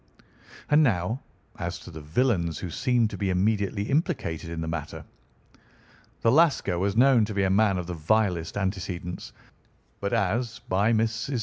"And now as to the villains who seemed to be immediately implicated in the matter. The Lascar was known to be a man of the vilest antecedents, but as, by Mrs. St.